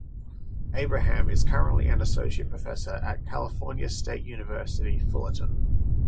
Abraham is currently an associate professor at California State University Fullerton.